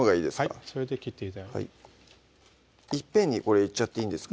はいそれで切っていっぺんにいっちゃっていいんですか？